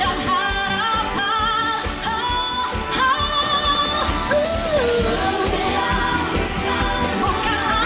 tunjuan cinta dan harapan